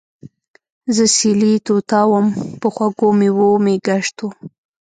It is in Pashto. زۀ سېلي طوطا ووم پۀ خوږو مېوو مې ګشت وو